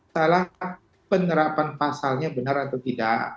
salah penerapan pasalnya benar atau tidak